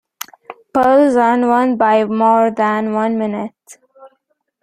Paulsen won by more than one minute.